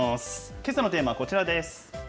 けさのテーマはこちらです。